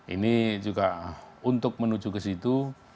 ini juga untuk menuju ke situ